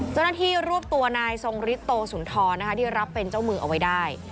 เจ้าหน้าที่รวบตัวนายทรงริโตสุนทรนะคะที่รับเป็นเจ้ามือเอาไว้ได้